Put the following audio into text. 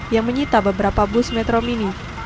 yang menyita beberapa bus metro mini